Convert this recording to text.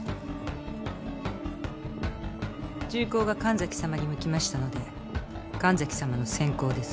銃口が神崎さまに向きましたので神崎さまの先攻です。